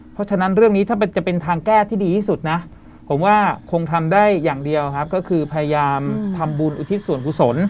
เพราะฉะนั้นเรื่องนี้ถ้าจะเป็นทางแก้ที่ดีที่สุดนะผมว่าคงทำได้อย่างเดียวครับก็คือพยายามทำบุญอุทิศส่วนกุศล